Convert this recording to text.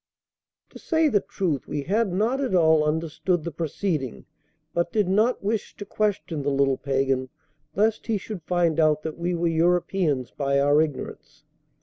To say the truth, we had not at all understood the proceeding, but did not wish to question the little pagan, lest he should find out that we were Europeans by our ignorance.